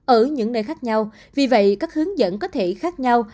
ở những nơi khác nhau vì vậy các hướng dẫn có thể khác nhau